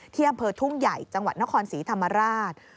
อำเภอทุ่งใหญ่จังหวัดนครศรีธรรมราช